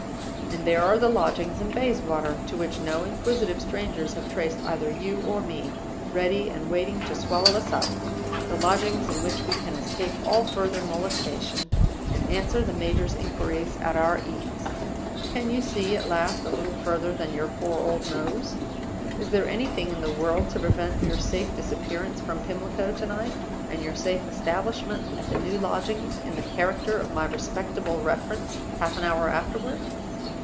And there are the lodgings in Bayswater, to which no inquisitive strangers have traced either you or me, ready and waiting to swallow us up the lodgings in which we can escape all further molestation, and answer the major's inquiries at our ease. Can you see, at last, a little further than your poor old nose? Is there anything in the world to prevent your safe disappearance from Pimlico to night, and your safe establishment at the new lodgings, in the character of my respectable reference, half an hour afterward?